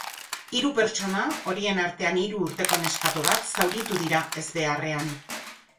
Hiru pertsona, horien artean hiru urteko neskato bat, zauritu dira ezbeharrean.